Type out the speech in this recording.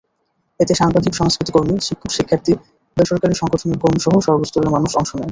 এতে সাংবাদিক, সংস্কৃতিকর্মী, শিক্ষক-শিক্ষার্থী, বেসরকারি সংগঠনের কর্মীসহ সর্বস্তরের মানুষ অংশ নেন।